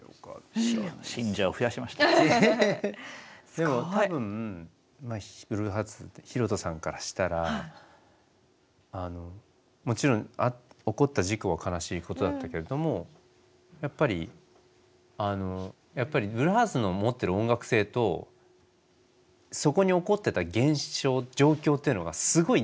でも多分ブルーハーツってヒロトさんからしたらもちろん起こった事故は悲しいことだったけれどもやっぱりやっぱりブルーハーツの持ってる音楽性とそこに起こってた現象状況っていうのがすごい似てたんですよ。